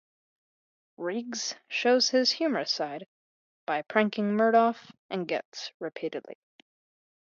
Riggs shows his humorous side by pranking Murtaugh and Getz repeatedly.